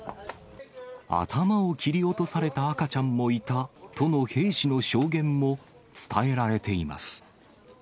頭を切り落とされた赤ちゃんもいたとの兵士の証言も伝えられています。